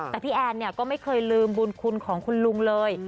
แต่พี่แอนเนี่ยก็ไม่เคยลืมบุญคุณของคุณลุงเลย